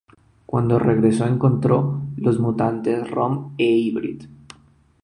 Cuando regresó a la Hermandad, encontró a los mutantes Rom e Hybrid.